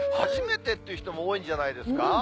初めてっていう人も多いんじゃないですか？